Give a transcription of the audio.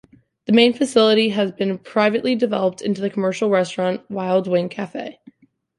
The main facility has been privately developed into the commercial restaurant, Wild Wing Cafe.